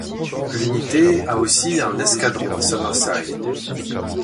L'unité a aussi un escadron à Summerside.